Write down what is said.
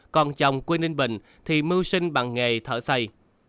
còn chồng quyên ninh bình thì mưu sinh bằng nghề thở xây